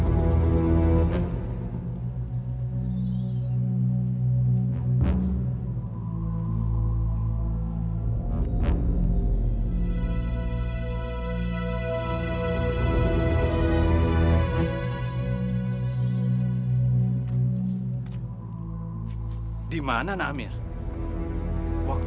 sudah perpacian mereka di dalam video ini